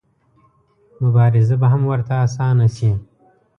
مبارزه به هم ورته اسانه شي.